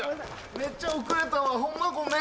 めっちゃ遅れたわホンマごめん。